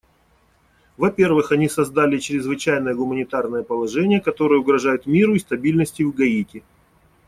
Во-первых, они создали чрезвычайное гуманитарное положение, которое угрожает миру и стабильности в Гаити.